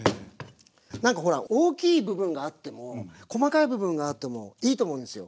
なんかほら大きい部分があっても細かい部分があってもいいと思うんですよ。